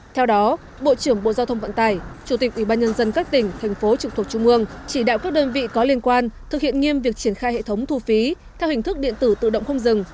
theo đó bộ trưởng bộ giao thông vận tải chủ tịch ủy ban nhân dân các tỉnh thành phố trực thuộc trung ương chỉ đạo các đơn vị có liên quan thực hiện nghiêm việc triển khai hệ thống thu phí theo hình thức điện tử tự động không dừng